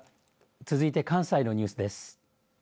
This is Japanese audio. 続いて関西のニュースです。